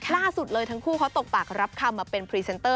ล่าสุดเลยทั้งคู่เขาตกปากรับคำมาเป็นพรีเซนเตอร์